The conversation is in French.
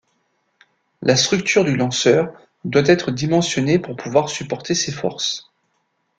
La structure du lanceur doit être dimensionnée pour pouvoir supporter ces forces.